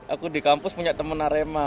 aku di kampus punya teman arema